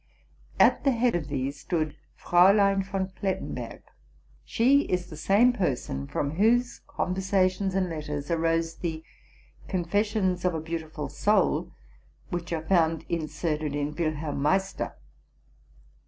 At the head of these stood Fraulein von Klettenberg. She is the same person from whose conversations and letters arose the '* Confessions of a Beautiful Soul,''? which are found in serted in '' Wilhelm Meister.